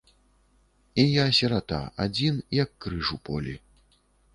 І я сірата, адзін, як крыж у полі.